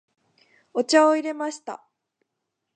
お茶を入れました。